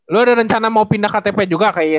lu ada rencana mau pindah ktp juga kayak